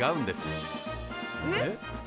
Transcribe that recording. えっ？